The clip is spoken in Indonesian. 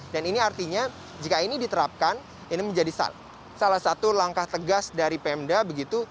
dan ini artinya jika ini diterapkan ini menjadi salah satu langkah tegas dari pemda begitu